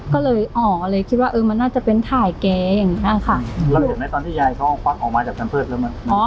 ก็เลยอ๋อเลยคิดว่าเออมันน่าจะเป็นถ่ายแกงอะค่ะเราเห็นไหมตอนที่ยายเขาควักออกมาจากแผนเพิดแล้วมัน